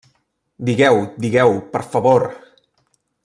-Digueu, digueu, per favor!